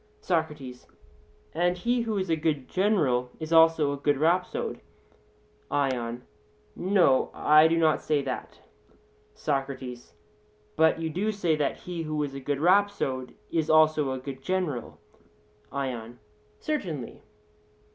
SOCRATES: And he who is a good general is also a good rhapsode? ION: No; I do not say that. SOCRATES: But you do say that he who is a good rhapsode is also a good general. ION: Certainly.